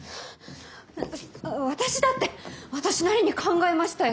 私だって私なりに考えましたよ。